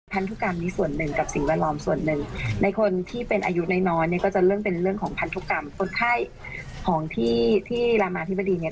พันธุกรรมคนไข้ของที่รามนาธิบดีเนี่ย